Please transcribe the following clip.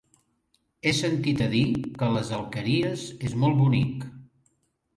He sentit a dir que les Alqueries és molt bonic.